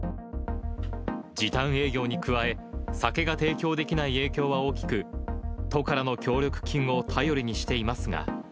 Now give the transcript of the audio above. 時短営業に加え、酒が提供できない影響は大きく、都からの協力金を頼りにしていますが。